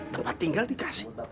tempat tinggal dikasih